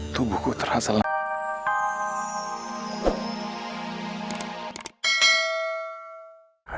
tubuhku terasa lakar